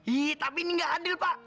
iya tapi ini nggak adil pak